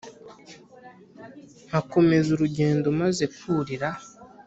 nkakomeza urugendo maze kurira,